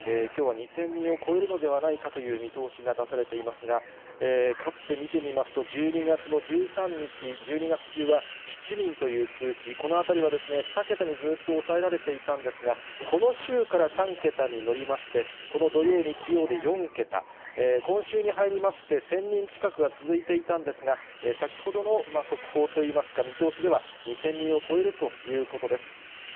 きょうは２０００人を超えるのではないかという見通しが出されていますが、かつて見てみますと、１２月の１３日、１２月中は７人という数値、このあたりは、２桁にずっと抑えられていたんですが、この週から３桁に乗りまして、この土曜、日曜で４桁、今週に入りまして、１０００人近くが続いていたんですが、先ほどの速報といいますか、見通しでは２０００人を超えるということです。